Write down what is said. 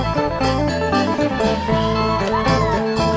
โชว์ฮีตะโครน